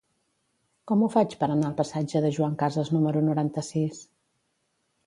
Com ho faig per anar al passatge de Joan Casas número noranta-sis?